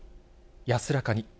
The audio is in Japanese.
安らかに。